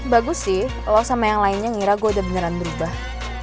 bagus sih lo sama yang lainnya ngira gue udah beneran berubah